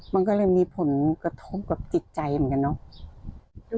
มันก็เลยมีผลกระทบกับจิตใจเหมือนกันเนาะ